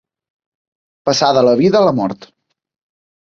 Passà de la vida a la mort.